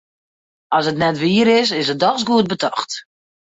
As it net wier is, is it dochs goed betocht.